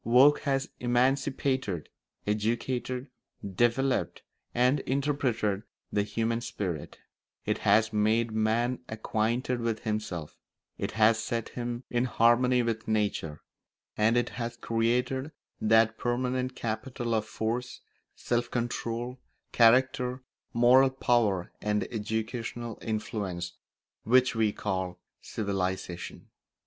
Work has emancipated, educated, developed, and interpreted the human spirit; it has made man acquainted with himself; it has set him in harmony with nature; and it has created that permanent capital of force, self control, character, moral power, and educational influence which we call civilisation.